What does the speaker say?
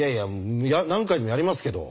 何回でもやりますけど。